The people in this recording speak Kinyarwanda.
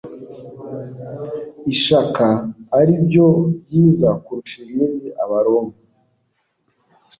ishaka ari byo byiza kurusha ibindi abaroma